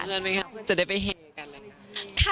บอกกันเลยนะครับจะได้ไปเห็นกันแล้วนะครับ